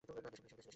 সে বিদেশ চলে গেছে।